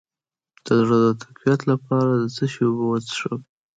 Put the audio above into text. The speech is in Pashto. د زړه د تقویت لپاره د څه شي اوبه وڅښم؟